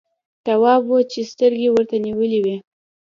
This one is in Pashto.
تواب وچې سترګې ورته نيولې وې.